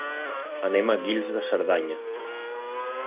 Anem a Guils de Cerdanya.